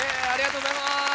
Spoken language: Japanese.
ありがとうございます！